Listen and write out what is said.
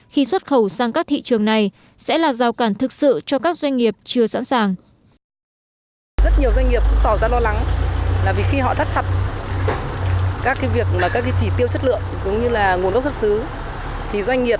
khi xuất khẩu một số mặt hàng tiềm năng sang các thị trường này